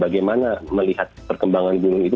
bagaimana melihat perkembangan gunung itu